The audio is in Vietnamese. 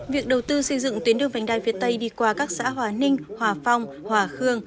việc đầu tư xây dựng tuyến đường vành đai phía tây đi qua các xã hòa ninh hòa phong hòa khương